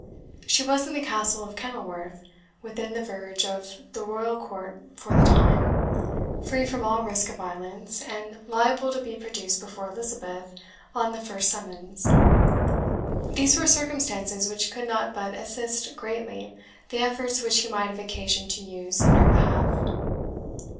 She was in the Castle of Kenilworth, within the verge of the Royal Court for the time, free from all risk of violence, and liable to be produced before Elizabeth on the first summons. These were circumstances which could not but assist greatly the efforts which he might have occasion to use in her behalf.